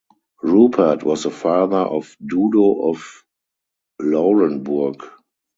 Rupert was the father of Dudo of Laurenburg.